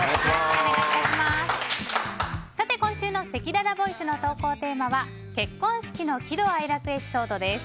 今週のせきららボイスの投稿テーマは結婚式の喜怒哀楽エピソードです。